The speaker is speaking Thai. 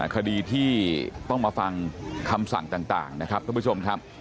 คดีที่ต้องมาฟังคำสั่งต่างนะครับทุกผู้ชมครับ